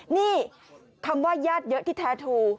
นี่คำว่าญาติเยอะที่แท้ทู